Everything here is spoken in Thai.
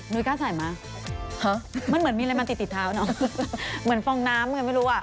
นุ้ยกล้าใส่มามันเหมือนมีอะไรมาติดเท้าเนาะเหมือนฟองน้ำมันก็ไม่รู้อ่ะ